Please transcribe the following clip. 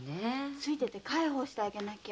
ついてて介抱してあげなきゃ。